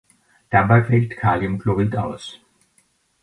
Dabei fällt Kaliumchlorid aus.